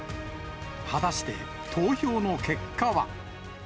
果たして投票の結果は。